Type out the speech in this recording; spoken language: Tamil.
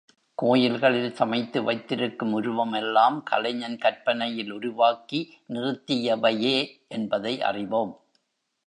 கோயில்களில் சமைத்து வைத்திருக்கும் உருவம் எல்லாம் கலைஞன் கற்பனையில் உருவாக்கி நிறுத்தியவையே என்பதை அறிவோம்.